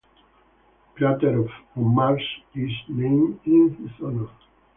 A crater on Mars is named in his honour.